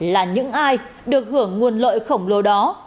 là những ai được hưởng nguồn lợi khổng lồ đó